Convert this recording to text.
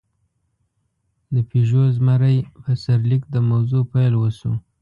د «پيژو زمری» په سرلیک د موضوع پېل وشو.